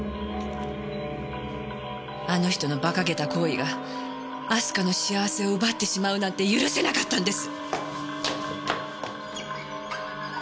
あの人のバカげた行為が明日香の幸せを奪ってしまうなんて許せなかったんです！